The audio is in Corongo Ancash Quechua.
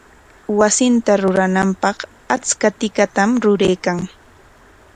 Wasinta rurananpaq achka tikatam ruraykan.